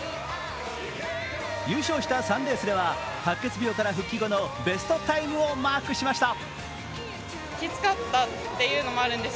優勝した３レースでは白血病から復帰後のベストタイムをマークしました。